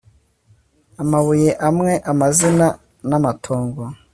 amabuye amwe, amazina n' amatongo